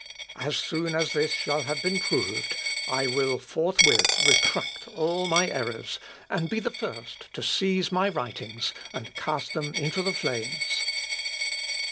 As soon as this shall have been proved, I will forthwith retract all my errors, and be the first to seize my writings and cast them into the flames. [Sidenote: LUTHER'S ADDRESS.